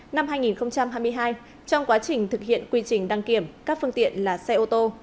năm hai nghìn hai mươi hai trong quá trình thực hiện quy trình đăng kiểm các phương tiện là xe ô tô